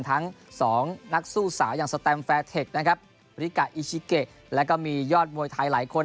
ทั้งสองนักสู้สาวอย่างสแตมแฟร์เทคนะครับริกะอิชิเกะแล้วก็มียอดมวยไทยหลายคน